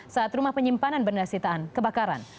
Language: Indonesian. saat rumah penyimpanan benda sitaan kebakaran